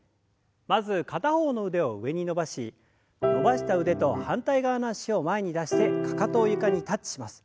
まず片方の腕を上に伸ばし伸ばした腕と反対側の脚を前に出してかかとを床にタッチします。